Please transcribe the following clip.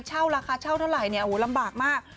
เช่าราคาเช่าเท่าไหร่โอ้โฮลำบากมาก